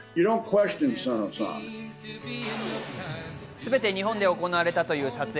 全て日本で行われたという撮影。